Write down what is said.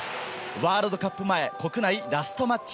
ワールドカップ前、国内ラストマッチ。